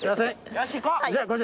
よし行こう。